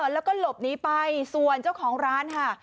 แล้วก็หลบหนีไปส่วนเจ้าของร้านค่ะ